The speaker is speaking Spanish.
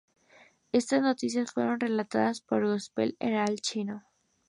Estas noticias fueron relatadas por Gospel Herald chino.